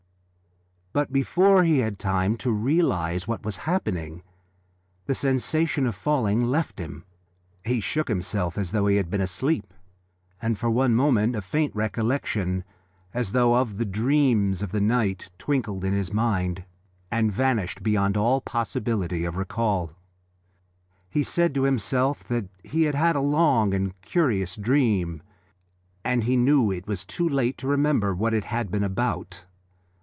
But before he had time to realise what was happening the sensation of falling left him; he shook himself as though he had been asleep, and for one moment a faint recollection as though of the dreams of the night twinkled in his mind, and vanished beyond all possibility of recall. He said to himself that he had had a long and curious dream, and he knew that it was too late to remember what it had been about.